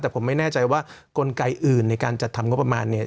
แต่ผมไม่แน่ใจว่ากลไกอื่นในการจัดทำงบประมาณเนี่ย